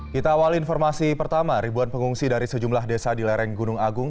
kita awal informasi pertama ribuan pengungsi dari sejumlah desa di lereng gunung agung